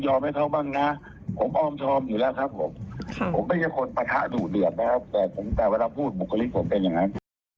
ผมไม่ใช่คนประทะหนูเดือดนะครับแต่เวลาพูดบุคลิกผมเป็นอย่างนั้น